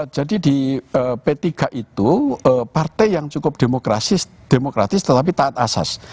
jadi di p tiga itu partai yang cukup demokratis tetapi taat asas